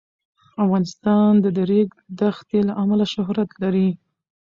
افغانستان د د ریګ دښتې له امله شهرت لري.